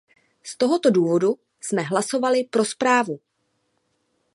Z tohoto důvodu jsme hlasovali pro zprávu.